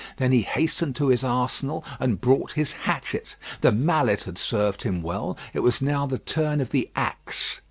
Then he hastened to his arsenal and brought his hatchet. The mallet had served him well, it was now the turn of the axe.